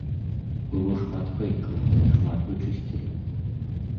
Было шмат фэйкаў, мы шмат вычысцілі.